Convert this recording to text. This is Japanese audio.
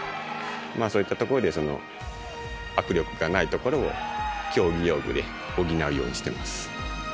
そういったところで握力がないところを競技用具で補うようにしています。